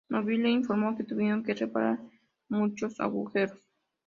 Nobile informó que tuvieron que reparar muchos agujeros.